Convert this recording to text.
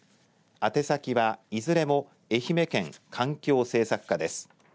宛先はいずれも愛媛県環境政策課です。